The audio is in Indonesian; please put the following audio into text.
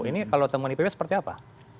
ini kalau temuan ipb seperti apa